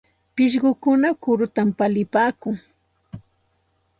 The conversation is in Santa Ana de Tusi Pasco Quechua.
Pishqukuna kurutam palipaakun.